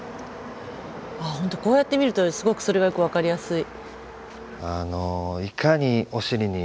あホントこうやって見るとすごくそれがよく分かりやすい。